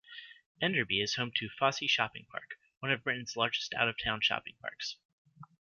Enderby is home to Fosse Shopping Park, one of Britain's biggest out-of-town shopping parks.